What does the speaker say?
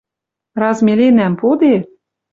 Раз меленӓм пуде —